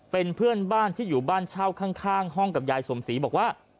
เป็นเพื่อนบ้านที่อยู่บ้านเช่าข้างห้องกับยายสมศรีบอกว่า